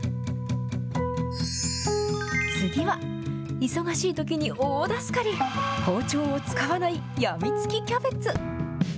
次は、忙しいときに大助かり、包丁を使わないやみつきキャベツ。